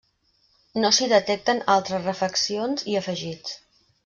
No s'hi detecten altres refaccions i afegits.